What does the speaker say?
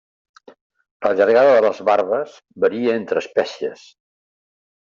La llargada de les barbes varia entre espècies.